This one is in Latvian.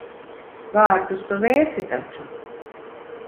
Vārtus tu vērsi taču.